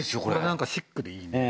なんかシックでいいね。